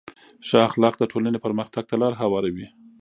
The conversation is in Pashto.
ښه اخلاق د ټولنې پرمختګ ته لاره هواروي.